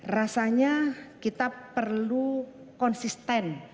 rasanya kita perlu konsisten